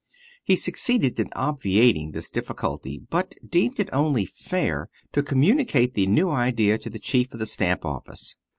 He succeeded in obviating this difficulty, but deemed it only fair to communicate the new idea to the chief of the stamp office.